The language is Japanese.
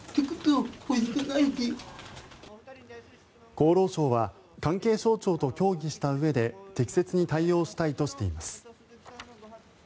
厚労省は関係省庁と協議したうえで適切に対応したいとしています。